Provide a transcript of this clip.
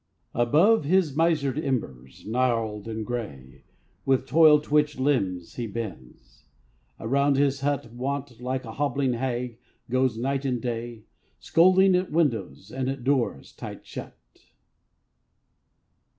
Above his misered embers, gnarled and gray, With toil twitched limbs he bends; around his hut, Want, like a hobbling hag, goes night and day, Scolding at windows and at doors tight shut.